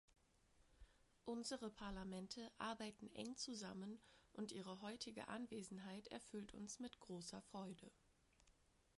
Unsere Parlamente arbeiten eng zusammen und Ihre heutige Anwesenheit erfüllt uns mit großer Freude.